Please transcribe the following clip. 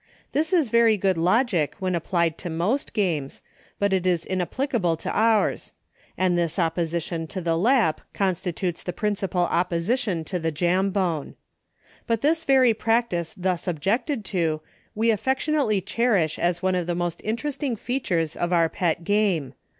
This is very good logic when ap plied to most games, but it is inapplicable to ours; and this opposition to the Lap consti tutes the principal objection to the Jambone. But this very practice thus objected to, we affectionately cherish as one of the most inter esting features of our pet game.